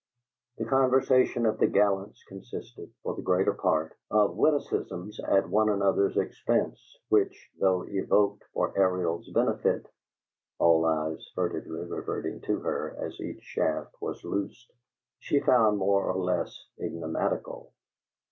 The conversation of the gallants consisted, for the greater part, of witticisms at one another's expense, which, though evoked for Ariel's benefit (all eyes furtively reverting to her as each shaft was loosed), she found more or less enigmatical.